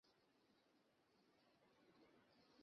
আমি চেষ্টা করেছি, চেষ্টা করেছি।